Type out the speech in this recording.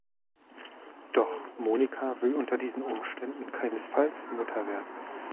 Doch Monika will unter diesen Umständen keinesfalls Mutter werden.